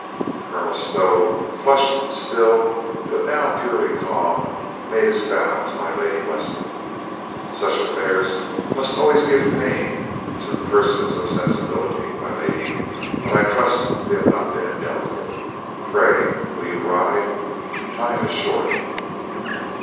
Colonel Stow, flushed still, but now purely calm, made his bow to my Lady Weston. "Such affairs must always give pain to persons of sensibility, my lady; but I trust we have not been indelicate. Pray, will you ride? Time is short."